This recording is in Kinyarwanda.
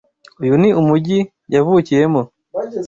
Uyu ni umujyi yavukiyemo.